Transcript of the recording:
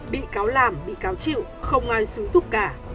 bị cáo làm bị cáo chịu không ai xú dục cả